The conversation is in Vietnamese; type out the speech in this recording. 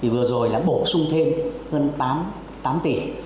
vừa rồi đã bổ sung thêm hơn tám tỷ